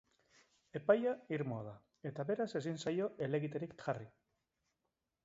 Epaia irmoa da, eta beraz ezin zaio helegiterik jarri.